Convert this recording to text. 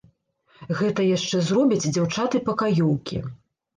Гэта яшчэ зробяць дзяўчаты-пакаёўкі.